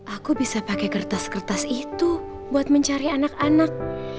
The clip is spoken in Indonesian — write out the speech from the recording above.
aku bisa pakai kertas kertas itu buat mencari anak anak